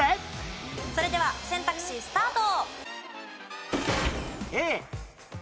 それでは選択肢スタート。